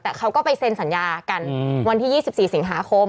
แต่เขาก็ไปเซ็นสัญญากันวันที่๒๔สิงหาคม